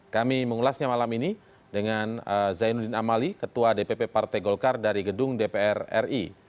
kami mengulasnya malam ini dengan zainuddin amali ketua dpp partai golkar dari gedung dpr ri